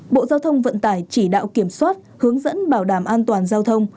bộ giao thông vận tải chỉ đạo kiểm soát hướng dẫn bảo đảm an toàn giao thông